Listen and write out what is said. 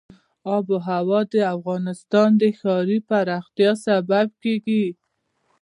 آب وهوا د افغانستان د ښاري پراختیا سبب کېږي.